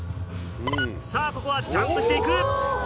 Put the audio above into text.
さぁここはジャンプして行く。